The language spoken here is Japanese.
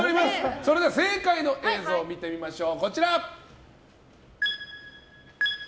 それでは正解の映像を見てみましょう。